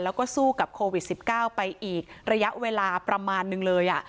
แล้วก็สู้กับโควิด๑๙ไปอีกระยะเวลาประมาณนึงเลย